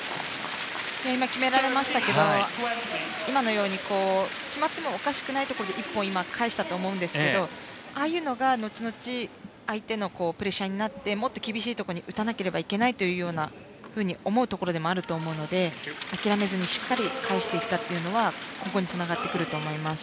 決められましたけど今のように決まってもおかしくないところで１本返したと思いますがああいうのが後々相手のプレッシャーになってもっと厳しいところに打たなければいけないと思うところでもあると思うので諦めずにしっかりと返していったのは、そこにつながってくると思います。